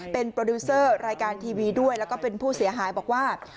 เป็นโปรดิวเซอร์รายการทีวีด้วยแล้วก็เป็นผู้เสียหายบอกว่า